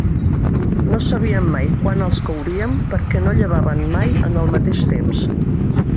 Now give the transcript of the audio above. No sabíem mai quan els couríem, perquè no llevaven mai en el mateix temps.